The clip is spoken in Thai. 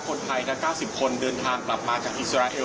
คนไทย๙๐คนเดินทางกลับมาจากอิสราเอล